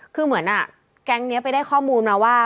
คือเหมือนแก๊งนี้ไปได้ข้อมูลมาว่า